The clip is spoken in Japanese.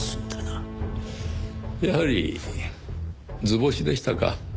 やはり図星でしたか。